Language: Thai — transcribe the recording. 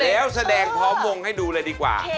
แล้วแสดงพร้อมวงให้ดูเลยดีกว่า